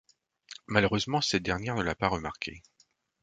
Malheureusement, cette dernière ne l'a pas remarqué.